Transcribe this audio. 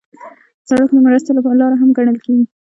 سړک د مرستې لاره هم ګڼل کېږي.